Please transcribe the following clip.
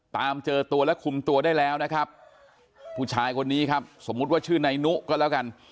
ตามเจอตัวและคุมตัวได้แล้วนะครับผู้ชายคนนี้ครับสมมุติว่าชื่อนายนุก็แล้วกัน